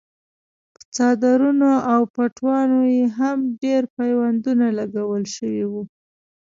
په څادرونو او پټوانو یې هم ډېر پیوندونه لګول شوي وو.